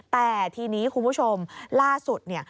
แต่ทีนี้คุณผู้ชมล่าสุด